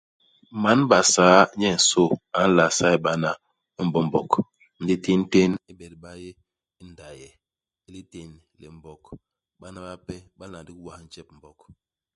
Man Basaa nyensô a nla saybana Mbombog, ndi téntén ibet ba yé i ndaye, i litén li Mbog. Bana bape ba nla ndigi was ntjep u Mbog.